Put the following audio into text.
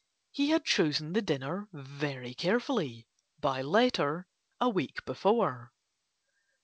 He had chosen the dinner very carefully, by letter a week before.